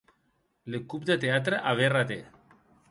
Le coup de theatre avait raté.